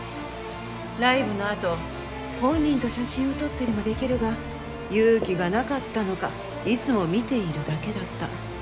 ライブのあと本人と写真を撮ったりもできるが勇気がなかったのかいつも見ているだけだった。